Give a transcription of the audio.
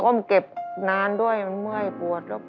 ้มเก็บนานด้วยมันเมื่อยปวดแล้ว